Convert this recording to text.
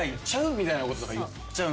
みたいなこととか言っちゃう。